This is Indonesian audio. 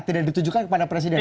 tidak ditujukan kepada presiden